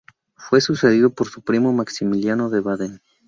Fue sucedido por su primo Maximiliano de Baden.